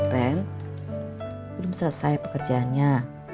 ren belum selesai pekerjaannya